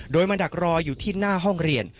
โดยมาดักรออยู่ที่หน้าห้องเรียน